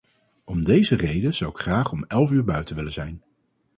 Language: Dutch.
Om deze reden zou ik graag om elf uur buiten willen zijn.